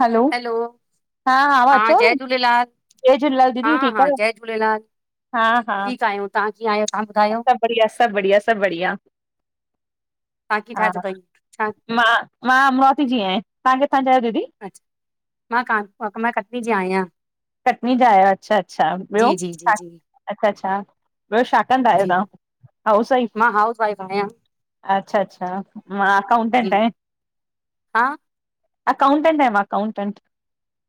हलो hello, हा हा आवा अचोव पइ झूलेलाल जय झूलेलाल हा दीदी, ठीकु हा आहियो जय झूलेलाल। हा हा। ठीकु आहियूं, तव्हां कीअं आहियो तव्हां ॿुधायो, सभु बढ़िया सभु बढ़िया सभु बढ़िया तव्हां कीअं ठाहे हा अथव छा मां मां अमरावती जी आहियां तां किथां जा आहियो दीदी? अच्छा मां कानपु अ मां कटनी जी आहियां। कटनी जा आहियो अच्छा अच्छा, ॿियो जी जी जी जी अछा अछा ॿियो छा कंदा आहियो जी तहां? मां हाउस वाइफ हां। अच्छा अच्छा मां जी अकाउंटेंट आहिय हा अकाउंटेट आहियां मां अकाउंटेंट।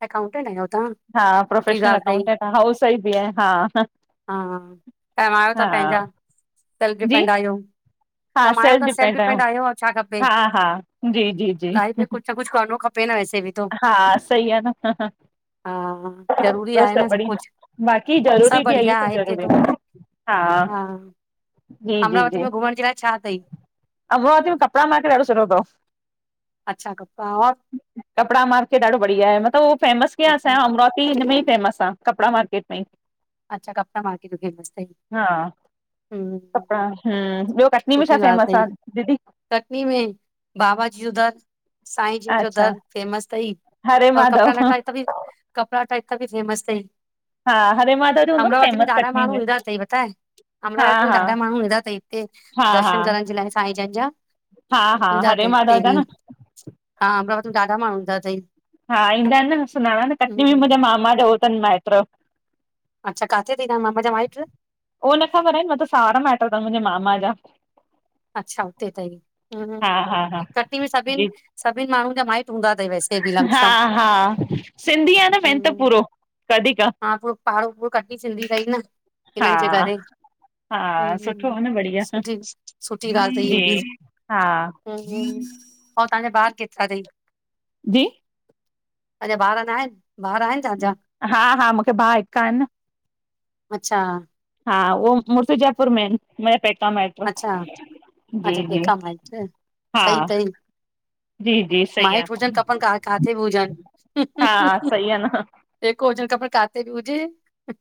अकाउंटेंट आहियो तहां। हा प्रोफेशनल अकाउंटेंट, हाउस वाइफ बि आहियां हा हा कमायो ता हा पंहिंजा सेल्फ जी डिफेंड आहियो। कमायो ता सेल्फ डिपेंड आहियो अंउं छा खपे? हा हा जी जी जी लाइफ में कुछु कुछु करिणों खपे न वैसे बि तो हा सही आ न ह ह ह हा ज़रूरी आहे न सभु कुछ बाक़ी ज़रूरी बि आ, इ सब ज़रूरी आ। हा अमरावती में घुमण जे ला ए छा थई? अमरावती में कपड़ा मार्केट ॾाढो सुठो थव। अछा, कपड़ा और? कपिड़ा मार्केट ॾाढो बढिया आहे, मतलब हुओ फेमस कीअं अच्छा असांजे अमरावतिअ हिन में इ फेमस आ, कपड़ा मार्केट में ई। अच्छा कपङा मार्केट इ फेमस थई। कपड़ा, हम्म, ॿियो कटनी में छा सुठी फेमस ॻाल्हि अथई आ दीदी? कटनी में बाबाजी जो दर साईं जी जो अच्छा, दर फेमस थई हरे और माधव कपिड़ा लटा इते बि कपड़ा इता या बि फेमस थई। हा हरे मधव अमरावती में ॾाढा माण्हू ईंदा तई, पता ए! हा अमरावती में हा, ॾाढा माण्हू ईंदा अथई हिते, हा हा, दर्शन करण जे लाइ साईं जन जा। हा हा ईंदा हरे थई माधव हिते जा बि, न, हा अमरावतीअ में ॾाढा माण्हू ईंदा थई। हा ईंदा आहिन न, सुञाणा न कटनी में बि मुंहिंजे मामा जो हो थनि माएट्र्। अच्छा, काथे थयी मामा जा माएट्र? उहो न ख़बर आहे, मतलब सावरा माएट्र् थव मुंहिंजे मामा जा। अच्छा उते तई, हा हा हा, कटनी में जी सभिन, सभिन माण्हुनि जा माइट्र हूंदा अथई वैसे बि हा लमशम हा, सिंधी आहे न मेन त हम्म पूरो। वधीक हा पूरो पाड़ो पूरो कटनी सिंधी थई न, हा हिननि जे करे। हा सुठो हम्म आ न, बढ़िया। सुठी सुठी ॻाल्हि अथई इहा बि जी, हा। अंउ तहांजा ॿार केतरा थई? जी! अञा ॿार न आहिन, ॿार नआहिन तंहांजा? हा हा मूंखे भाउ हिकु आ न अच्छा! हा उहो मुर्सु जयपुर में आहिन, मुंजा पेका मा ए अच्छा अच्छा, पेका माइट्र्, हा सई थई। जी जी सही आ माएट्र हुजनि खपनि, काथे ॿ हुजनि। हा सही आ न पेको हुजण खपे, काथे बि हुजे।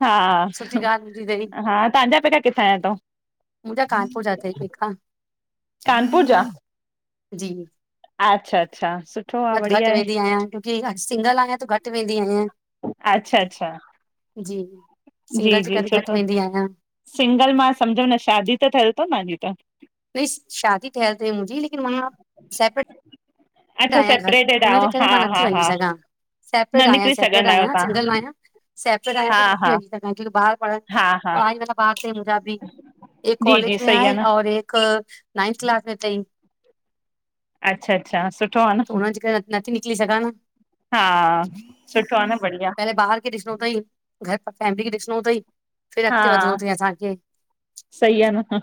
हा, सुठी ॻाल्हि हूंदी अथई हा तांजा पेका किथां जा थव? पुर जा थई पेका, जा जी। अच्छा अच्छा, सु बट घटि वेंदी आहियां क्योकि सिंगल आयां त घटि वेंदी आहियां। अच्छा अच्छा, जी सिंगल जी जे जी, करे घटि सुठो। वेंदी आहियां सिंगल मां सम्झो न, शादी त थियल थव न तांजी? शादी थियल थई मुंजी लेकिन मां सेपरेट अच्छा आयां घर, सेपरेटेड आहियो हुनजे करे हा मां नथी हा हा वञी सघां। न सेपरेट आहियां निकिरी सेपरेट सघंदा आहियो आहियां सिंगल आहियां सेपरेट आहियां त तव्हां हा नथी हा वञी सघां छोकि ॿार पढ़णु हा हा पढ़ाई वारा बार आहिन मुंजा बि, हिकु जी जी कॉलेज में सही आई आहे न औ हिकु नाइंथ क्लास में थई। अच्छा अच्छा। सुठ त उन जे करे नथी निकली सघां न। हा सुठो आ न बढ़िया। ॿाहर खे ॾिसणो अथई घर फैमिली खे ॾिसणो अथई फिर हा अॻिते वधणो अथई असांखे। सही आहे न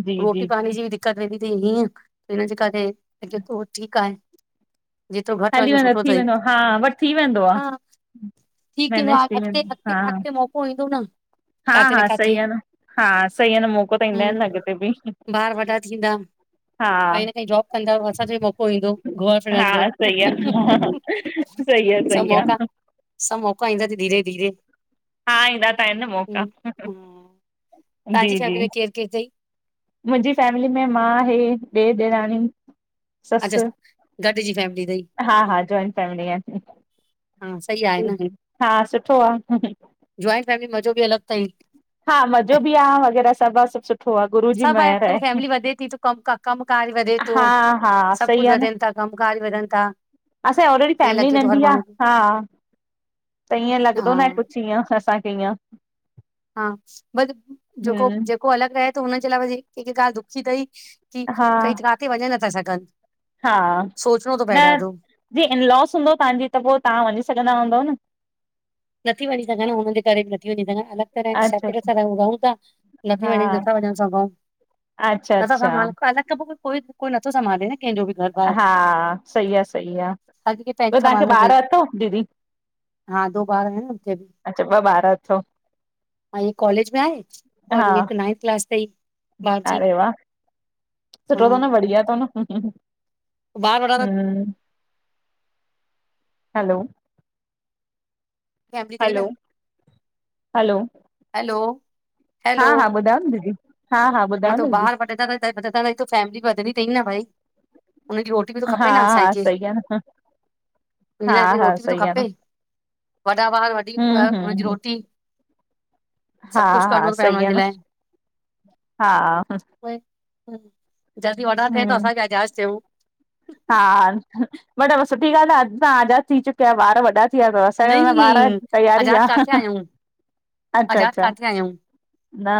जी जी जी दिकत वेंदी तई ईय इन जे कर अ ही ठीक आहे। जेतिरो घटि हली वञ वेंदो सुठो थी तई। वेंदो हा बट थी वेंदो आहे तीज मैनेज त्यौहार थी वेंदो हा अॻते-अॻते मौको ईंदो न। हा किथे न हा किथे सही आ न हा सही आ न मौक़ो त ईंदा आहिनि न हम्म अॻिते बि। ॿार वॾा थींदा हा काई न काई जॉप कंदा असांजो भी मौक़ो ईंदो घुमण हा फिरण जो, सही आहे सही आहे सभ सही मौका आहे सभ मौका ईंदा तई धीेरे धीरे। हा ईंदा त आहिनि न मौक़ा हम्म, हम्म। जी तव्हांजी जी [unintelligible] मुंजी फैमिली में मां, हे, ॾेर, ॾेराणी। अच्छा ससु गॾिजी फैमिली तई? हा हा जॉइंट फैमिली आहिन हा सही आहे जी न जी हा सुठो आ। जॉइंट फैमिली मज़ो बि अलॻि तई। हा मज़ो बि आ वग़ैरह सब आ सब सुठो आ गुरु जी सभु महिर त आहे। फैमिली वधे थी त कम कमकार वधे थो हा हा सभ सही कुछ आ न वधनि था कमकार वधनि था। असांजी ऑलरेडी ईअं फैमिली लॻे थो हर नंढी आ, माण्हू खे हा। त ईअं लॻंदो न आहे हा कुछ ईअं असांखे ईअं। हा पर जेको, हम्म जेको अलॻि रहे थो हुनजे लाइ हिक ॻाल्हि दुख जी तई। की हा कई काथे वञी नथा सघनि। हा सोचणो थो पए न ॾाढो जी इनलॉस हूंदो तव्हांजी त पो तव्हां वञी सघंदा हूंदव न। नथी वञी सघां हुननि जे करे बि नथी वञी सघां अलॻि तरह अच्छा सिप्रते अच्छा सां त रहुं था। नथी वञी, हा नथा वञी अच्छा [unintelligible] अच्छा कोई कोई नथो संभाले न कंहिंजो बि घर। बार हा सही आ सही आ। हर कंहिंखे ॿियो पंहिंजो तव्हांखे संभालणो ॿार अथई अथव दीदी? ॿारह आहिन न ट्रे। अच्छा ॿारहं अथव? हिक कॉलेज में आहे और हा हिक नाइंथ क्लास ॾई अरे वाह हा सुठो तव न बढ़िया तव न। ॿार वॾा त हम्म, हलो फैमिली अथई हलो न हलो हलो हा हा ॿुधायो न दीदी हा हा ॿुधायो न त दीदी, ॿारहं वधंदा त व त तो फैमिली वधती न भाई उन्हन जी रोट त हा खपे न हा असांखे सही आ न, उनजे हा लाइ हा रोटी बि थो सही आ खपे न, वॾा ॿार वॾी हम्म हुनजी हम्म रोटी। हा सभु कुझु हा करिणो थो पए सही हुननि आ जे न, लाइ हा। जल्दी वॾा थ्यन त हम्म असां भी अजाद थियूं। हा मतलब सुठी ॻाल्हि आ अधु तव्हां आज़ाद थी चुकिया आहियो ॿारहं वॾा थी वया तव असांयो नई अञा ॿार, तयारी आजाद आ। किथे आहियूं आजाद अच्छा-अच्छा न?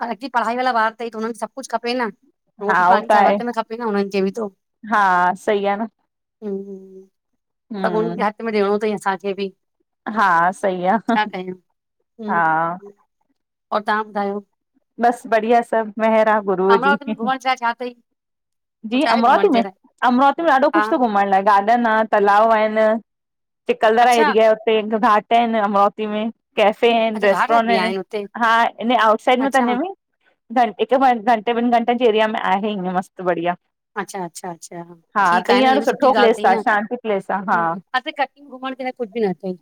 हालाकी पढ़ाई वारा ॿार तई त हुननि खे सभ कुछ खपे न। हा रोटी उहो पाणी त सब आहे, हथ में खपे न हुननि खे बि तो। हा सही आ न, हम्म हम्म [unintelligible] ॾिञो तई असांखे बि हा सही आ, छा कयूं हा। हम्म, और तव्हां ॿुधायो? बस बढ़िया सभु महिर आ गुरूअ जी। अमरावती [unintelligible] जी कुझु आहे अमरावती घुमण जे में, लाइ अमरावती में ॾाढो हा कुझु थो घुमण लाये। गार्डन आ, तलााव आहिन। अच्छा त घाट ऐन अमरावती में, कैफे ऐन अच्छा घाट वाट बि रेस्टोरेंट अंन, आहिनि हुते हा हिन आटसाइड में अच्छा हिकु ॿ घंटे ॿिनि घंटे जे एरिया में आहें ईय मस्त बढ़िया। अच्छा, अच्छा-अच्छा ह हा त ठीकु आहे न इहा हींअर बि सुठो सुठी ॻाल्हि प्लेस थई आहे न। शांती प्लेस आहे ह असां कटनी घुमण जे लाइ कुझु बि न अथई।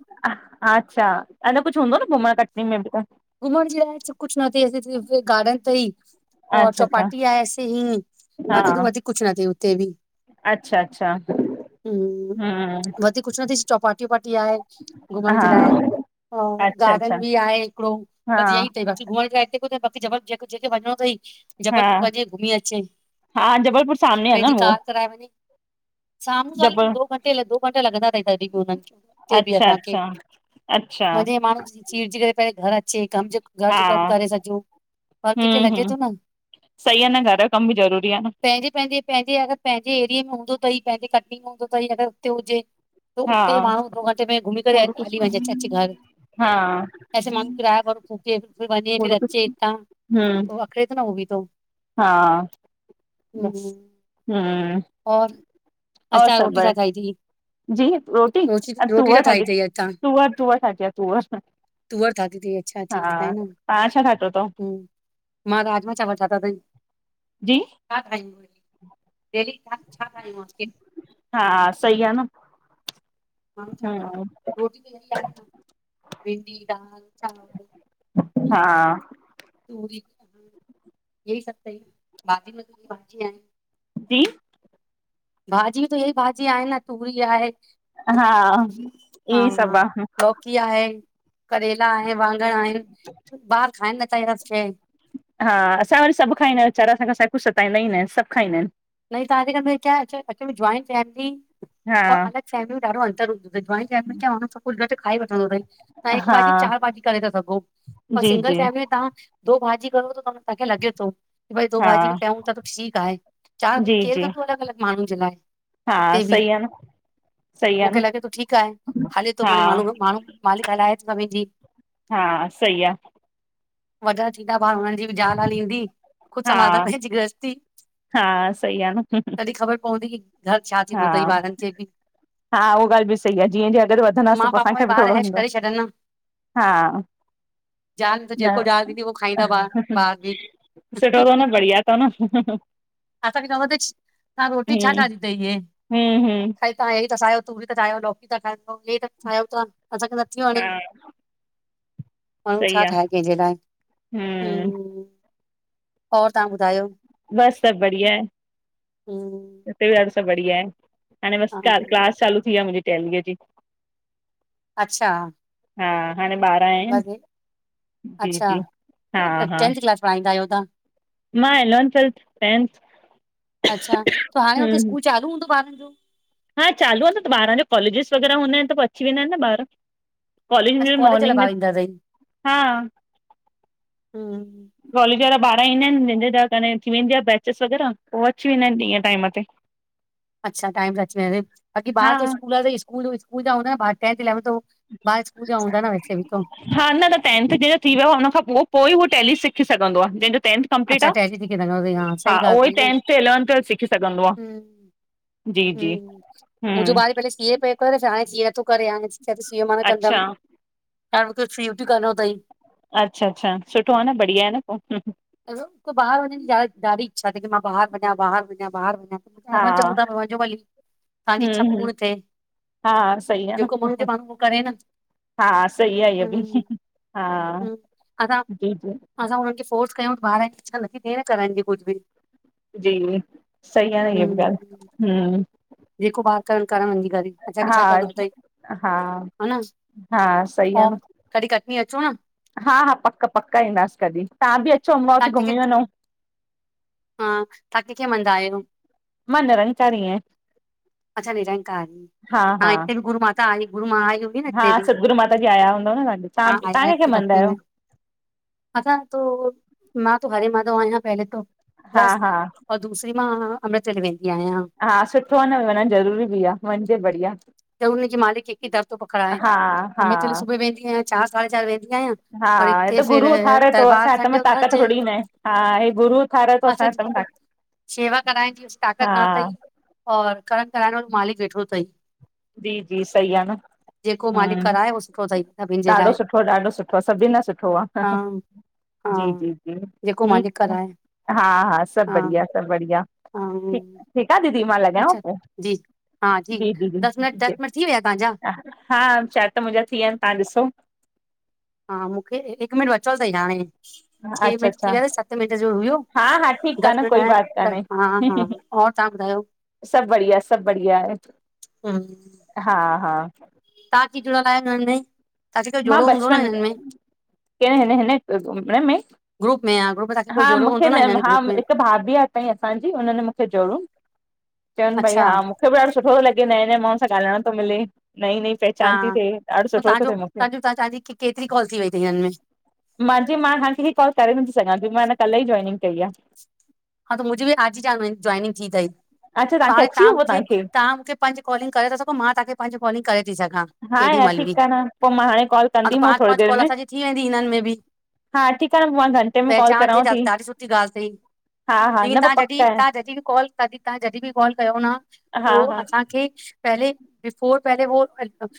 अच्छा, अन कुझु हूंदो न घुमण कटनी में ॿि त? घुमण जे लाइ कुझु नथई ऐसे गार्डन अथई और अच्छा अच्छा चौपाटी आहे ऐसे ही बाक़ी त हा वधीक कुझ नथई उते बि, अच्छा अच्छा हम्म वधीक कुझु न थी चौपाटी वपाटी आहे घुमण जे हा लाइ, और अच्छा अच्छा गार्डन बि आहे हिकिड़ो हा बस यई अथ बाकी घुमण लाइ हिते कुछु बाकी ॼबल जेकहिं वञिणो तंई हा जबलपुर वञे घुमी अचे, हा जबलपुर सामने आहे न पंहिंजी उहो कार कराए वञे। साम्हूं साले आ लेकिन जबल दो घंटे दो घंटे लॻंदा अथई तॾहिं बि हुननि खे हुते बि अच्छा असांखे। अच्छा अच्छा जीय माण्हु सीड़जी करे पहिले घर अ जे कम जो घर हा जो कम करे सजो हर कैखे हम्म लॻे हम्म तो न। सही आहे न घर जो कम बि ज़रूरी आहे न। पंहिंजी-पंहिंजी पंहिंजे अगरि पंहिंजे एरिए में हूंदो, तई पंहिंजे कटनी में हूंदो अथई अगरि हुते हुजे त हा उते माण्हू दो घटे में घुमी करे होॾो हली वञे कुझु अचे घर, हा एसे माण्हू फक वञे फिर होॾो अच्चे कुझु इतां हम्म त अखड़े तो न हो बि तो। हा। बस, हम्म और अॼु और तव्हां सभु रोटी छा ब ठाही अथई जी रोटी अॼु रोटी छा तूंवर ठाही ठाति अथई अॼु तव्हां आ तूंवर तूंवर ठाति आ तूंवर। दा दीदी अच्छा ठीकु आहे न, ठातो अथव हम मां राजमा चांवर ठाता तई। जी। [unintelligible] हा, सही आ न। माण्हू छा ठाये? हम्म रोटी त अहिड़ी आहे न भिंडी दाल चांवर हा। [unintelligible] जी। भाजी त ईयहि भाजी आहे न तूरी आहे हा। हा इहे हा सभु आहे लौकि आहे, करेला आहे, वाङण आहिनि ॿार खाइनि न [unintelligible] हा असां वरी सभु खाईंदा आहिनि वेचारा असां असु कुझु सताईंदा ई न आहिनि सभु खाईंदा आहिनि। न ई तव्हांजे घर में क्या एक्चुअल में जॉइंट फैमिली, हा और अलॻि फैमिली में ॾाढो अतर हूंदो तयी जाॅइंट कुझु घट खाई वठंदो तयी तव्हां हिकु भाॼी हा चार भाॼी करे था सघो। जी सिंगल जी फैमिल में ता दो भाॼी कयो त तव्हांखे लॻे थो। की भई दो हा भाॼी बि कयूं था त ठीकु आहे। चार जी वरी केर जी कंदो अलॻि अलॻि माण्हुनि जे लाइ? हा हिते बि सही आहे न सही आहे मूंखे न लॻे थो ठीकु आहे हले थो हा माणे माण्हू माण्हू मालिक हलाए थो वी हा सही आ। वॾा थींदा ॿार हुननि जी बि जाल हाल ईंदी ख़ुदि हा संभालंदा पंहिंजी गृहस्थी। हा सई आहे न तॾहिं ख़बर पवंदी की घर छा थींदो हा अथई ॿारनि खे बि हा उहो ॻाल्हि सही आहे जीअ जीअं अरि वधंदासीं माउ पोइ पापा में असांख बि ॿार थोर ऐश हूंदो करे छॾनि न हा ज़ाल त जेको न ज़ाल ॾींदी उहो खाईंदा ॿार ॿार बि सुठो थो न बढ़िया [unintelligible] असांखे चवां त तव्हां रोटी छा ठाही अथई इहे हु हु ता हे त ठायो तूरी था ठाहियो लोकी था ठायो हे त खायो था असांखे नथियूं वणे हा माण्हू सही छा आ ठाहे कंहिंजे लाइ हम्म और तव्हां ॿुधायो? बस सभु बढ़िया आए। हु हुते बि ॾाो सभु बढ़िया आहे हाणे बसि हा, क क्लास चालू थी आहे मुंहिंजी टेलीअ जी। अच्छा। हा हाणे ॿार आहिनि बसि जी, जी हा हा। टेंथ क्लास फाईंदा आहेयो त [unintelligible] मां इलेवंथ ट्वेल्थ, टेंथ अच्छा त हाणे हुते हम्म स्कूल चालू हूंदो ॿाारनि जो हा चालू आहे न त ॿारनि जो कॉलेजेिस वग़ैरह हुदा आहिनि पोइ अची वेंदा आहिनि न ॿार। कॉलेज अच्छा में लाइ मॉर्निंग में ॿार ईंदा अथई हा हु कॉलेज वारा ॿार ईंदा आहिनि निदं करे उथी वेंदी आहे बैेचिस वग़ैरह पो अची वेंदा आहिनिं ॾिअ ताइ मथे अच् [unintelligible] छा टाइम अच व बाक़ी हा बाार सूल सूल स्ू ज हूंदा टथ ॿार स्कूल जा हुंदा न वैसे भी त हा न न टाइम त थी वियो आहे हुन खां पोइ उ टेली सिखी सघंदो आहे जंहिंजो टेन्थ कंप्लीट अच्छा टैली थी करे रखंदो अथई आहे हा सही उहो ई ॻाल्हि अथई न टेंथ ते इलेवंथ जो सिखी सघंदो आहे जी हम जी मुंहिंजो हम्म ॿार पहले सीएं पियो करे हाणे सिं नथो करे हाणे चएतो सीए मां न अच्छा कंदमि। हाण कुझु फीूट कनो अथई [unintelligible] अच्छा अच्छा सुठो आहे न बढ़िया आहे न पोइ। बाहिर वञ जीॾाढी इच्छा थी मां बाहिर बञया बार बञया बाहिर बञया। हा असां चऊं था पो वञो भली तसांजी् इच्छा पूर्ण थिए। हा हा सई आहे न जेको माण्हू जे माण्हू करे न हा सही आहे इहा बि हम्म हा। हम्म असां जी जी असां हुननि खे फोर्स कयूं ॿार जी इच्छा नथी थिए करण जी कुझु बि जी सही आहे न इहा बि ॻाल्हि हम्म हम्म जेको ॿार करन करण वञी करे असांखे हा छा करिणो अथई। हा हा न हा सही हा, आहे न कॾहिं कटनी अचो न। हा, हा पक पक ईंदासीं कॾहिं तव्हां बि अचो अमबा तव्हां हुते घुमी कंहिंखे वञो। हा तव्हां किन्खे मंदा आहियो? मां निरंकारी आये। अच्छा निरंकार हा हिते भी गुरू माता आई, गुरू मां आई हुई न हा हिते भी सतगुरू माता जी आया हूंदव न तव्हां तव्हां हा तव्हां अलर्ट कंहिंखे मञंदा आहियो थी अच्छा त मां त हरे माधव वञा पहले तो हा बलस हा दूसरी मां अमृत वेले वेंदी आयां हा सुठो आ न वञण ज़रूरी भी आ वञिजे बढ़िया त हुनजी मालिक कंहिंखे दर थो पकड़ाए हा हा हमें ते सुबुह वेंदी आयां चार साढे चार वेंदी आयां हा हे त गुरू उथारे थो असां जे हथ में संडे ताक त उथसजे थोरी न आए। हा हे गुरू उथारे थो असां जे हाथ में छा आए शेवा कराइण जी ताक़त तां कई और कर्म कराइणो मालिक जो थई जी जी सई आ न जेको मालिक हुं कराए उहो सुठो अथई सभिनि जे ॾाडो लाइ सुठो आ, ॾाडो सुठो आ, सभिन लाए सुठो आ। हा हा जी जी जी जेको मालिक ठीक आ। कराए हा हा सभ बढ़िया सभ बढ़िया। हा ठीक ठीक आ दीदी। मां लॻायांव अच्छा पो, जी दीदी। बस थी विया आहिन तहांजा। हा शायद त मुंहिंजा थी विया आहिन तां ॾिसो हा मुंखे हिक मिनट बचो थई हाणे। छे अच्छा मिंट थी अच्छा विया। सत मिंट जो हुयो, हा हा ठीकु आहे दस न मिंट कोई आ बात हा हा और तहां ॿुधायो? सब बढ़िया सब बढ़िया आहे। हा हा हा तां भी जुड़ियल आयो हिन में। तां को जोड़ो हूंदो न हिन में। क हिन हिन ग्रुपन में ग्रुप में आयां ग्रुप सां हा मुंखे न हा हिक भाभी आ असांजी हुन न मुंखे जोड़ीयो चल अच्छा भैया आऊं मुंखे भी ॾाडो सुठो थो लॻे। नएं नएं माण्हुन सां ॻालाइण थो मिले, नई नई पहचान थी थिए। ॾाडो सुठो थो थिए मूं तॼो तांजी केतिरी कॉल थी वई थई हिन में मांहिंज मां हाण तां खे कॉल करे नथी सघां मां हिन में कल ई जोइनिंग कई आ। हा त मुंहिंजी भी आज ज जॉइनिंग थी थई अच्छा पर तव्हांखे हाणे अची तां वियो पोइ मूंखे तव्हांखे तां मूंखे पंज कॉलिंग करे था सघो, मां तांखे पंज कॉलिंग करे थी सघां हा एॾी यार मेल भी? ठीकु आहे न पोइ मां हाणे कॉल हा त कंदीमांव पांच थोरी पांच देरि कॉल में असांजी थी वेंदी हिनन में भी। हा ठीकु आहे न पोइ मां घंटे में कॉल पहचान थी कयांव त ॾाडी सुठी ॻाल थई। हा हा चईन न पोइ तां पक जॾहिं आहे तव्हां जॾी भी कॉल दी तां त जॾी भी कॉल कयो न हा त हा असांखे पहले बिफोर पहले वो [unintelligible]